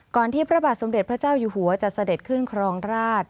ที่พระบาทสมเด็จพระเจ้าอยู่หัวจะเสด็จขึ้นครองราช